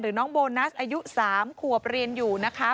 น้องโบนัสอายุ๓ขวบเรียนอยู่นะคะ